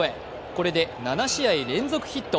これで７試合連続ヒット